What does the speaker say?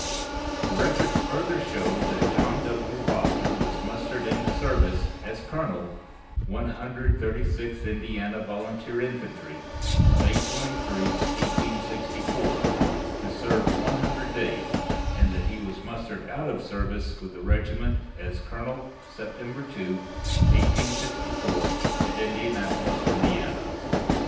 The records further show that John W. Foster was mustered into service as colonel, One Hundred Thirty sixth Indiana Volunteer Infantry, May 23, 1864, to serve one hundred days, and that he was mustered out of service with the regiment as colonel September 2, 1864, at Indianapolis, Indiana.